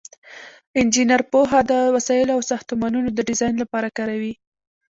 انجینر پوهه د وسایلو او ساختمانونو د ډیزاین لپاره کاروي.